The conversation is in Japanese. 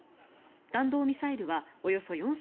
弾道ミサイルはおよそ４６００ｋｍ